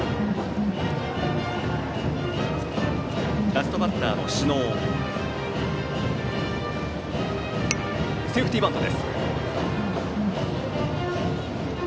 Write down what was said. ラストバッターの小竹はセーフティーバント。